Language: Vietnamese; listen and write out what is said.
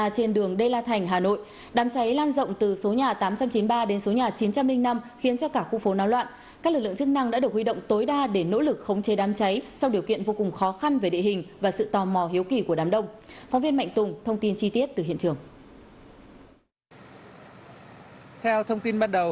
thưa ủy quyền của lãnh đạo bộ công an